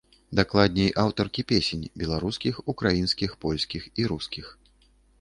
Дакладней, аўтаркі песень, беларускіх, украінскіх, польскіх і рускіх.